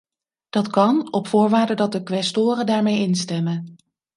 Dat kan, op voorwaarde dat de quaestoren daarmee instemmen.